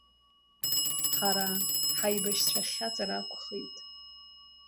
Ҳара ҳаибашьцәа хьаҵыр акәхеит.